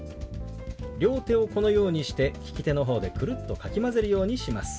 両手をこのようにして利き手の方でくるっとかき混ぜるようにします。